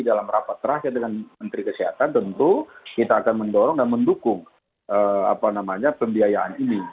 dalam rapat terakhir dengan menteri kesehatan tentu kita akan mendorong dan mendukung pembiayaan ini